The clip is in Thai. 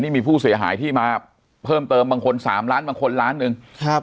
นี่มีผู้เสียหายที่มาเพิ่มเติมบางคนสามล้านบางคนล้านหนึ่งครับ